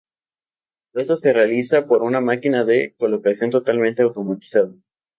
Esto se realiza por una máquina de colocación totalmente automatizada.